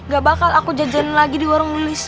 gak bakal aku jajanin lagi di warung lulis